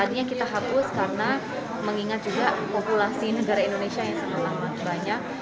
tadinya kita hapus karena mengingat juga populasi negara indonesia yang sangat lama banyak